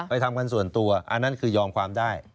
ทำกันส่วนตัวอันนั้นคือยอมความได้